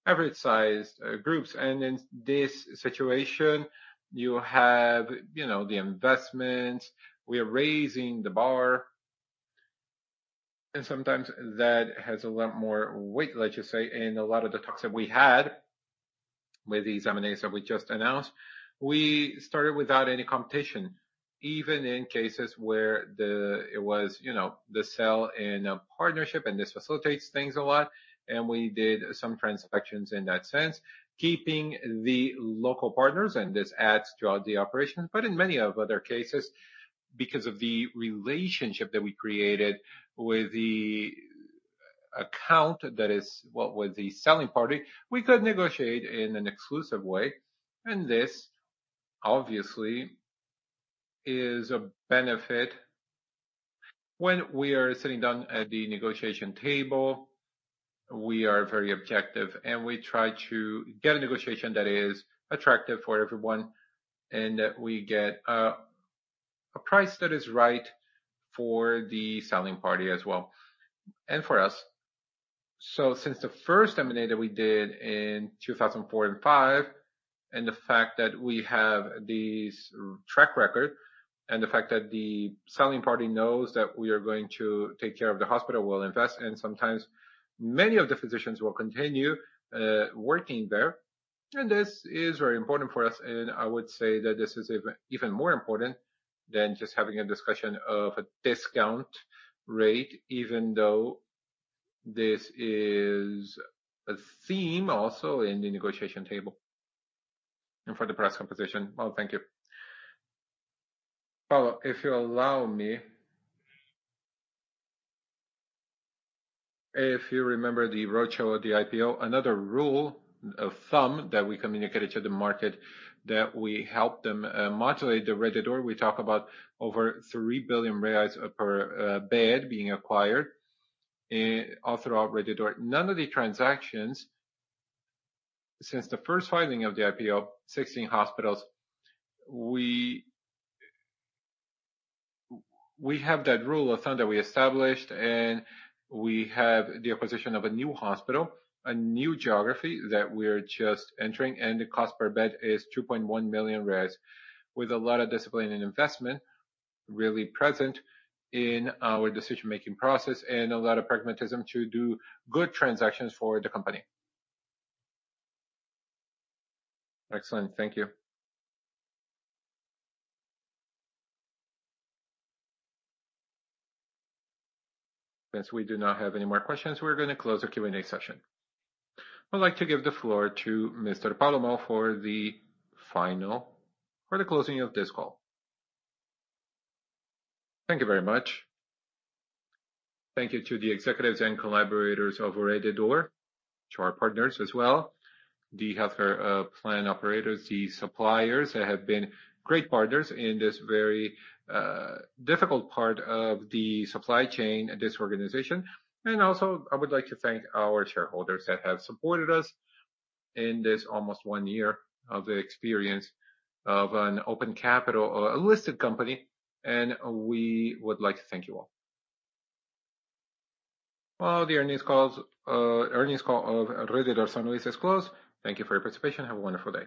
average-sized groups. In this situation, you have, you know, the investments. We are raising the bar. Sometimes that has a lot more weight, let's just say. In a lot of the talks that we had with the M&As that we just announced, we started without any competition, even in cases where it was, you know, the sale in a partnership, and this facilitates things a lot. We did some transactions in that sense, keeping the local partners, and this adds throughout the operation. In many other cases, because of the relationship that we created with the account, that is what was the selling party, we could negotiate in an exclusive way, and this obviously is a benefit. When we are sitting down at the negotiation table, we are very objective, and we try to get a negotiation that is attractive for everyone, and we get a price that is right for the selling party as well, and for us. Since the first M&A that we did in 2004 and 2005, and the fact that we have this track record, and the fact that the selling party knows that we are going to take care of the hospital, we'll invest, and sometimes many of the physicians will continue working there. This is very important for us, and I would say that this is even more important than just having a discussion of a discount rate, even though this is a theme also in the negotiation table. For the price composition. Well, thank you. Paulo, if you allow me. If you remember the roadshow of the IPO, another rule of thumb that we communicated to the market that we helped them model the Rede D'Or. We talk about over 3 billion reais per bed being acquired all throughout Rede D'Or. None of the transactions since the first filing of the IPO, 16 hospitals, we have that rule of thumb that we established, and we have the acquisition of a new hospital, a new geography that we're just entering, and the cost per bed is 2.1 million with a lot of discipline and investment really present in our decision-making process and a lot of pragmatism to do good transactions for the company. Excellent. Thank you. Since we do not have any more questions, we're gonna close the Q&A session. I'd like to give the floor to Mr. Paulo Moll for the final or the closing of this call. Thank you very much. Thank you to the executives and collaborators of Rede D'Or, to our partners as well, the healthcare plan operators, the suppliers that have been great partners in this very difficult part of the supply chain disorganization. I would like to thank our shareholders that have supported us in this almost one year of the experience of an open capital or a listed company. We would like to thank you all. Well, the earnings call of Rede D'Or São Luiz is closed. Thank you for your participation. Have a wonderful day.